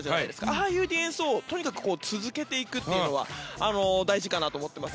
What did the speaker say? ああいうディフェンスをとにかく続けていくのは大事かなと思っています。